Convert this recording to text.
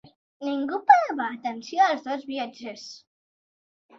Ningú parava atenció als dos viatgers.